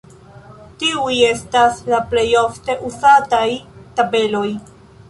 Tiuj estas la plej ofte uzataj tabeloj.